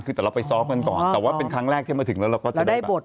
คือแต่เราไปซ้อมกันก่อนแต่ว่าเป็นครั้งแรกที่มาถึงแล้วเราก็จะได้แบบ